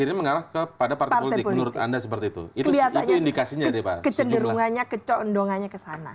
jadi kelihatannya kecenderungannya kecoh endongannya ke sana